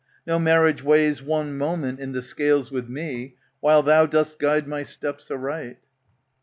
No marriage weighs one moment in the scales With me, while thou dost guide my steps aright.